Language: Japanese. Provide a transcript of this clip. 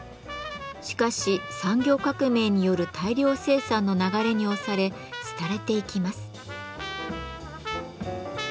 しかし産業革命による大量生産の流れに押され廃れていきます。